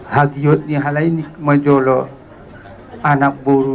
hagiut nih halainik majolo anak buru